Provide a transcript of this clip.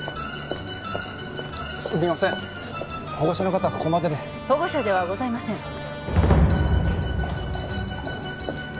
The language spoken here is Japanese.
保護者の方はここまでで保護者ではございません